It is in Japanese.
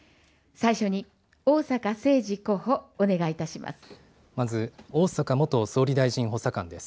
最初に逢坂誠二候補、お願いいたします。